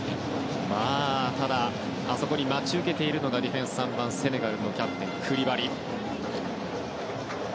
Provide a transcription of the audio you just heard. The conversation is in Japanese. ただあそこに待ち受けているのがディフェンス、３番のセネガルのキャプテンクリバリ。